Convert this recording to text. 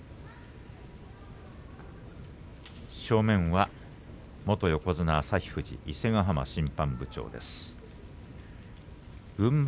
正面は元横綱旭富士伊勢ヶ濱審判部長です。